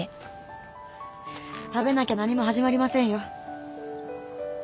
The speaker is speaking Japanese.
食べなきゃ何も始まりませんよ。